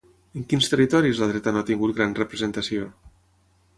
En quins territoris la dreta no ha tingut gran representació?